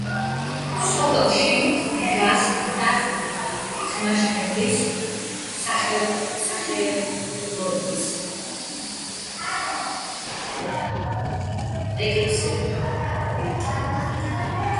სოფელში დგას დავით აღმაშენებლის სახელობის ეკლესია.